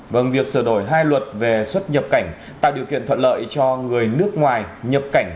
vâng việc sửa đổi hai luật về xuất nhập cảnh tạo điều kiện thuận lợi cho người nước ngoài nhập cảnh